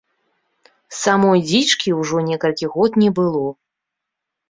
Самой дзічкі ўжо некалькі год не было.